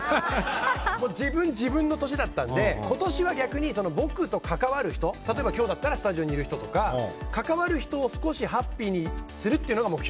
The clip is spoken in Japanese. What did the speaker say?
自分、自分の年だったので今年は逆に僕と関わる人例えば今日だったらスタジオにいる人だとか関わる人を少しハッピーにするというのが目標。